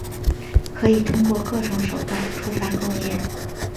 可以通过各种手段触发构建。